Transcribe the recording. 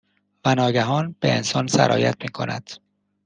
و ناگهان، به انسان سرایت میکند